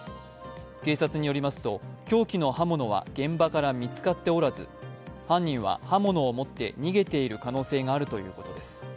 警察によりますと、凶器の刃物は現場から見つかっておらず犯人は刃物を持って逃げている可能性があるということです。